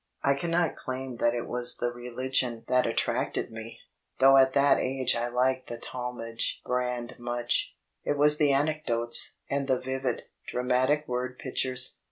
I cannot claim that it was the religion that attracted me, though at that age I liked the Talmage brand much; it was the anecdotes and the vivid, dramatic word pictures.